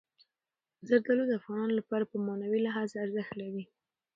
زردالو د افغانانو لپاره په معنوي لحاظ ارزښت لري.